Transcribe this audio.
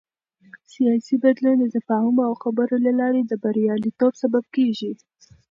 سیاسي بدلون د تفاهم او خبرو له لارې د بریالیتوب سبب کېږي